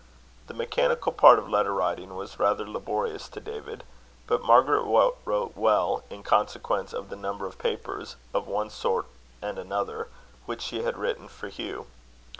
The mechanical part of letter writing was rather laborious to David; but Margaret wrote well, in consequence of the number of papers, of one sort and another, which she had written for Hugh.